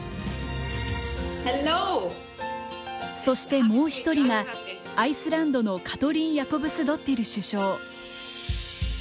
そして、もう一人がアイスランドのカトリン・ヤコブスドッティル首相。